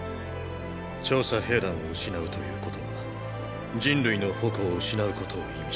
調査兵団を失うということは人類の矛を失うことを意味します。